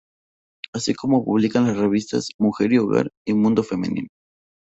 Así como publicaban las revistas "Mujer y Hogar" y "Mundo femenino".